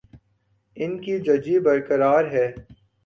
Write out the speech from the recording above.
ان کی ججی برقرار ہے۔